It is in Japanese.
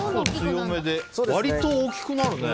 割と大きくなるね。